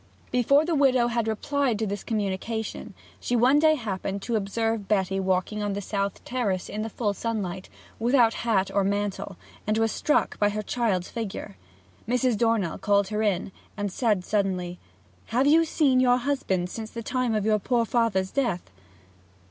Before the widow had replied to this communication, she one day happened to observe Betty walking on the south terrace in the full sunlight, without hat or mantle, and was struck by her child's figure. Mrs. Dornell called her in, and said suddenly: 'Have you seen your husband since the time of your poor father's death?'